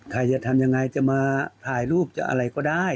ใครจะทำยังไงจะมาถ่ายรูปจะอะไรก็ได้